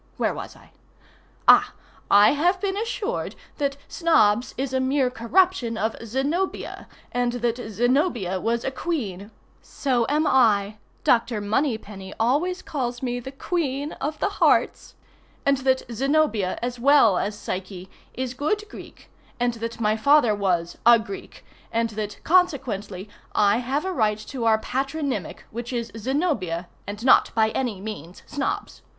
] Where was I? Ah! I have been assured that Snobbs is a mere corruption of Zenobia, and that Zenobia was a queen—(So am I. Dr. Moneypenny always calls me the Queen of the Hearts)—and that Zenobia, as well as Psyche, is good Greek, and that my father was "a Greek," and that consequently I have a right to our patronymic, which is Zenobia and not by any means Snobbs.